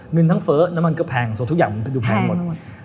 เงินทั้งเฟ้อน้ำมันก็แพงส่วนทุกอย่างมันดูแพงหมด